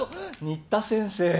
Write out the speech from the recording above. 新田先生。